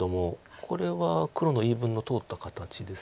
これは黒の言い分の通った形です。